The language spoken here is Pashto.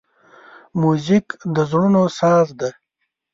موزیک د زړونو ساز دی.